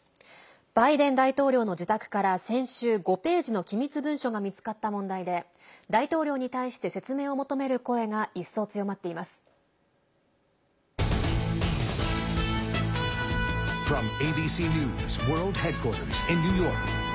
バイデン大統領の自宅から先週５ページの機密文書が見つかった問題で大統領に対して説明を求める声が一層強まっています。